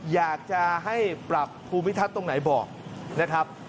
อยากจะให้ปรับภูมิทัศน์ตรงไหนบอกนะครับ